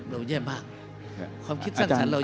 เราเยอะมากความคิดสังสรรค์เราเยอะมาก